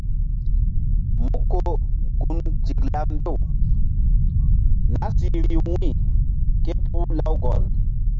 Mú ko gun tikla mbew nah si vbi wu̧y ké puh Lawgɔl.